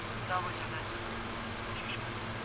ترڅو چې زموږ کیفیت لوړ وي.